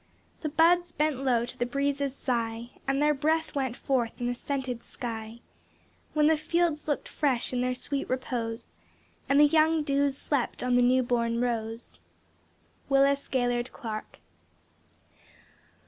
The buds bent low to the breeze's sigh, And their breath went forth in the scented sky; When the fields look'd fresh in their sweet repose, And the young dews slept on the new born rose." WILLIS GAYLORD CLARK.